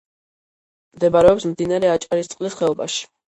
მდებარეობს მდინარე აჭარისწყლის ხეობაში.